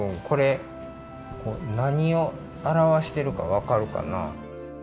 これなにをあらわしてるかわかるかな？